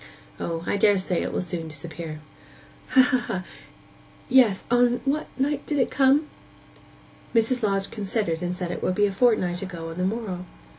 O, I daresay it will soon disappear.' 'Ha, ha! Yes ... On what night did it come?' Mrs. Lodge considered, and said it would be a fortnight ago on the morrow.